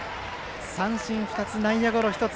三振１つ、内野ゴロ１つ。